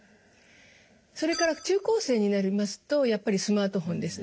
それから中高生になりますとやっぱりスマートフォンです。